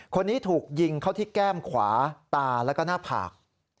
คนนี้ถูกยิงเข้าที่แก้มขวาตาแล้วก็หน้าผาก